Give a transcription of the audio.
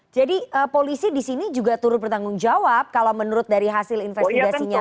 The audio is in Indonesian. jadi polisi disini juga turut bertanggung jawab kalau menurut dari hasil investigasinya